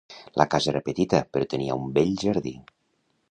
La casa era petita, però tenia un bell jardí.